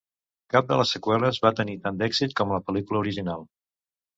Cap de les seqüeles va tenir tant d'èxit com la pel·lícula original.